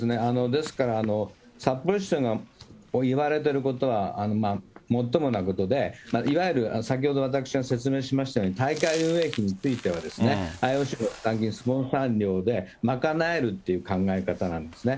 ですから、札幌市長が言われてることはもっともなことで、いわゆる先ほど私が説明しましたように、大会運営費については、ＩＯＣもスポンサー料で賄えるという考え方なんですね。